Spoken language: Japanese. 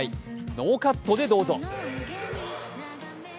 ノーカットでどうぞ。